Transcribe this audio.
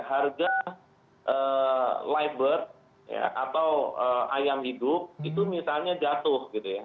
harga libert atau ayam hidup itu misalnya jatuh gitu ya